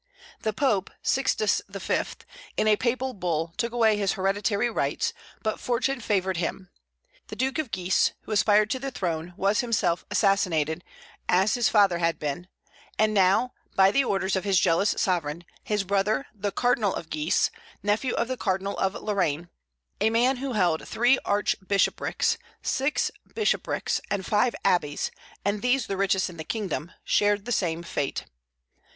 The Pope, Sixtus V., in a papal bull, took away his hereditary rights; but fortune favored him. The Duke of Guise, who aspired to the throne, was himself assassinated, as his father had been; and now, by the orders of his jealous sovereign, his brother, the Cardinal of Guise, nephew of the Cardinal of Lorraine, a man who held three archbishoprics, six bishoprics, and five abbeys, and these the richest in the kingdom, shared the same fate.